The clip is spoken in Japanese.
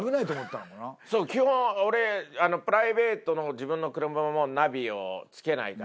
そう基本俺プライベートの自分の車もナビをつけないから。